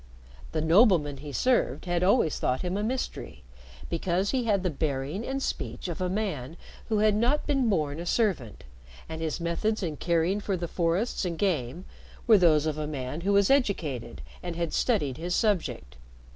The nobleman he served had always thought him a mystery because he had the bearing and speech of a man who had not been born a servant, and his methods in caring for the forests and game were those of a man who was educated and had studied his subject.